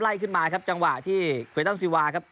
รับไล่ขึ้นมาครับจังหวะที่เคยตั้งสิวาครับ